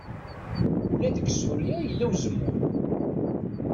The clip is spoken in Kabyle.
Ula deg Surya yella uzemmur.